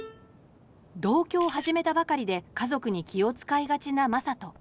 同居を始めたばかりで家族に気を遣いがちな正門。